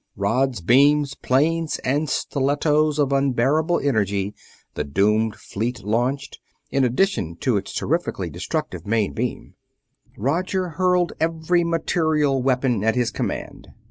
Rods, beams, planes, and stilettos of unbearable energy the doomed fleet launched, in addition to its terrifically destructive main beam: Roger hurled every material weapon at his command.